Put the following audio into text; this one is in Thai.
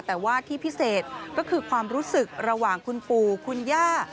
แต่ว่าที่พิเศษก็คือความรู้สึกระหว่างคุณปู่คุณย่า